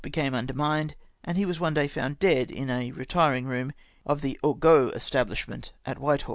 VINCENT, became undermined, and lie was one day found dead in a retiiino room of the Augean establisliment at WliitehaU.